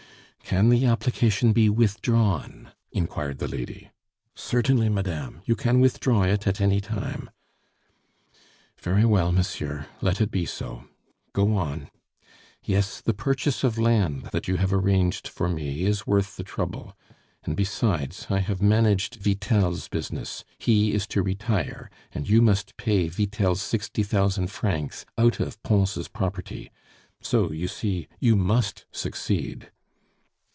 "Can the application be withdrawn?" inquired the lady. "Certainly, madame. You can withdraw it at any time." "Very well, monsieur, let it be so... go on! Yes, the purchase of land that you have arranged for me is worth the trouble; and, besides, I have managed Vitel's business he is to retire, and you must pay Vitel's sixty thousand francs out of Pons' property. So, you see, you must succeed."